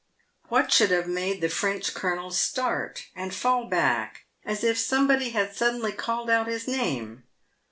"What should have made the French colonel start and fall back, as if somebody had suddenly called out his name